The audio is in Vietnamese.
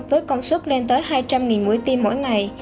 với công suất lên tới hai trăm linh mũi tim mỗi ngày